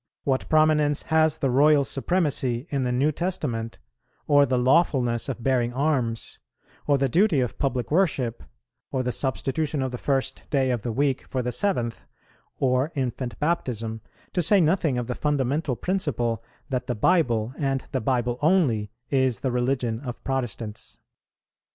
What prominence has the Royal Supremacy in the New Testament, or the lawfulness of bearing arms, or the duty of public worship, or the substitution of the first day of the week for the seventh, or infant baptism, to say nothing of the fundamental principle that the Bible and the Bible only is the religion of Protestants?